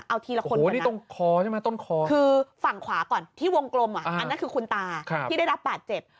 เอาทีละคนก่อนนะคือฝั่งขวาก่อนที่วงกลมอ่ะอันนั้นคือคุณตาที่ได้รับบาดเจ็บ